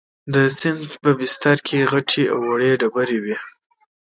د سیند په بستر کې غټې او وړې ډبرې وې.